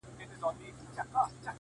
زما گراني مهرباني گلي ،